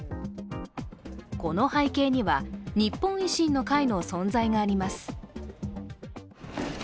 この背景には、日本維新の会の存在があります。